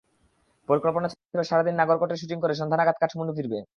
পরিকল্পনা ছিল সারা দিন নাগরকোটে শুটিং করে সন্ধ্যা নাগাদ কাঠমান্ডু ফিরব।